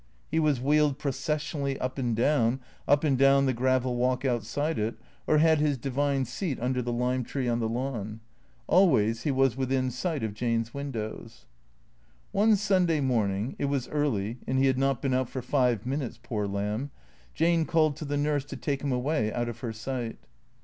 He was wheeled processionally up and down, up and down the gravel walk outside it, or had his divine seat under the lime tree on the lawn. Always he was within sight of Jane's windows. One Sunday morning (it was early, and he had not been out for five minutes, poor lamb) Jane called to the nurse to take him away out of her sight.